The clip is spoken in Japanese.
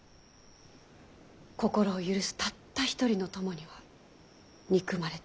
心を許すたった一人の友には憎まれている。